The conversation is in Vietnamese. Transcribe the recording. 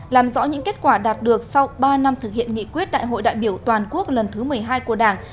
làm rõ những kết quả đạt được sau ba năm thực hiện nghị quyết đại hội đại biểu toàn quốc lần thứ một mươi hai của đảng